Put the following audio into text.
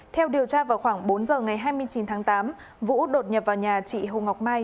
theo điều tra vào khoảng bốn giờ ngày hai mươi chín tháng tám vũ đột nhập vào nhà chị hồ ngọc mai